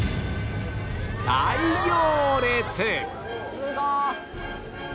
すごい！